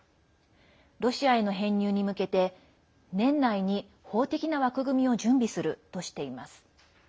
ロシアへの編入に向けて年内に法的な枠組みを準備するとしています。